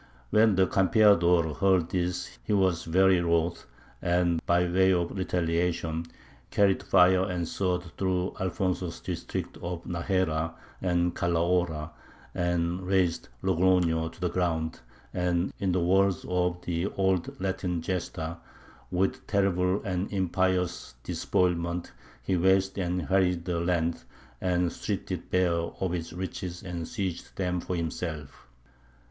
When the Campeador heard this he was very wroth, and, by way of retaliation, carried fire and sword through Alfonso's districts of Najera and Calahorra, razed Logroño to the ground, and, in the words of the old Latin Gesta, "with terrible and impious despoilment he wasted and harried the land, and stripped it bare of its riches and seized them for himself."